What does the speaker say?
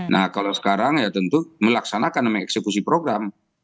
nah kalau sekarang ya tentu melaksanakan mengeksekusi program